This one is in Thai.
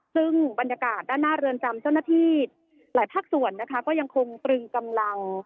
ซึ่งบรรยากาศด้านหน้าเรือนจำเจ้าหน้าที่หลายภาคส่วนนะคะก็ยังคงตรึงกำลัง